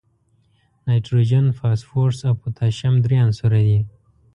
نایتروجن، فاسفورس او پوتاشیم درې عنصره دي.